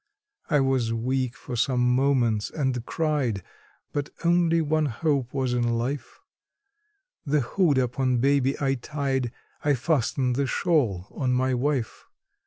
I was weak for some moments, and cried; but only one hope was in life; The hood upon baby I tied I fastened the shawl on my wife.